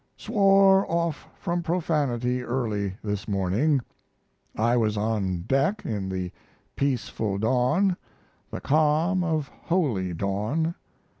Swore off from profanity early this morning I was on deck in the peaceful dawn, the calm of holy dawn.